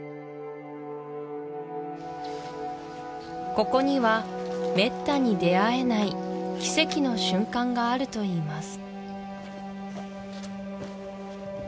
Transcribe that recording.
ここにはめったに出会えない奇跡の瞬間があるといいます